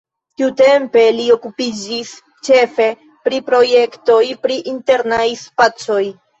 Tiutempe li okupiĝis ĉefe pri projektoj pri internaj spacoj.